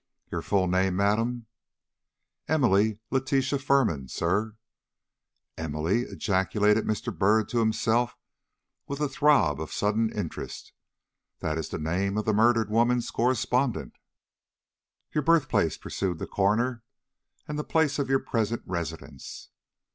"Your full name, madam?" "Emily Letitia Firman, sir." "Emily!" ejaculated Mr. Byrd, to himself, with a throb of sudden interest. "That is the name of the murdered woman's correspondent." "Your birthplace," pursued the coroner, "and the place of your present residence?"